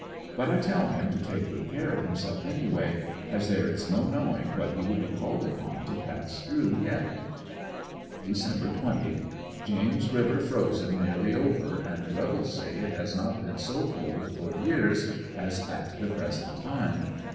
But I tell him to take good care of himself anyway, as there is no knowing what he will be called upon to pass through yet. Dec. 20. — James River frozen nearly over, and rebels say it has not been so cold for years as at the present time.